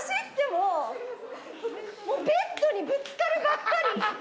もうベッドにぶつかるばっかり。